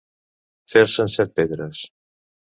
Fer-se'n set pedres.